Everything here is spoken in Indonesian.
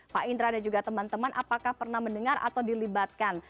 pak indra dan juga teman teman apakah pernah mendengar atau dilibatkan